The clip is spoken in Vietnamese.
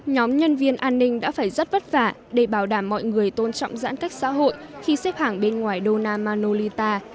nhóm nhân viên an ninh đã phải rất vất vả để bảo đảm mọi người tôn trọng giãn cách xã hội khi xếp hàng bên ngoài dona manolita